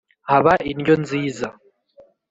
haba indyo nziza !"